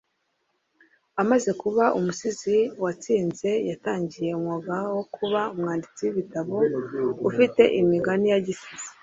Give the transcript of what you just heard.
Amaze kuba umusizi watsinze yatangiye umwuga we wo kuba umwanditsi w'ibitabo ufite imigani ya Gisizi